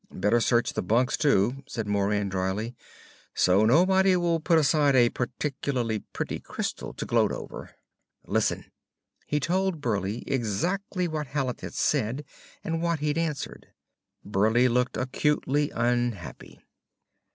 "Better search the bunks, too," said Moran drily, "so nobody will put aside a particularly pretty crystal to gloat over. Listen!" He told Burleigh exactly what Hallet had said and what he'd answered. Burleigh looked acutely unhappy.